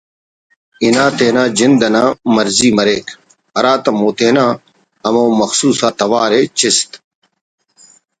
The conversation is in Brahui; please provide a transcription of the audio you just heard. انا تینا جند انا مرضی مریک ہراتم او تینا ہمو مخصوص آ توار ءِ چست